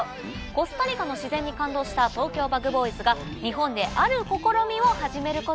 コスタリカの自然に感動したＴｏｋｙｏＢｕｇＢｏｙｓが日本である試みを始めることに。